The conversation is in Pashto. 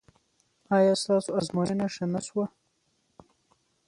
ایا ستاسو ازموینه ښه نه شوه؟